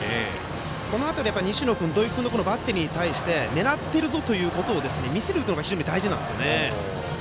この辺り、西野君、土井君のバッテリーに対して狙ってるぞということを見せるというのが非常に大事なんですよね。